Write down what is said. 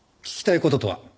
聞きたい事とは？